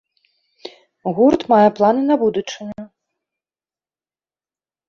Гурт мае планы на будучыню.